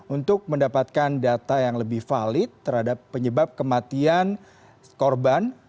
untuk mendapatkan data yang lebih valid terhadap penyebab kematian korban